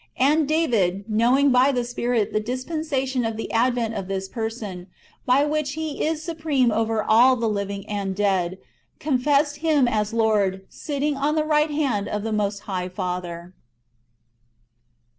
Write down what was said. And David, knowing by the Spirit the dispensation of the advent of this Person, by which He is supreme over all the living and dead, confessed Him as Lord, sitting on the right hand of the Most High Father.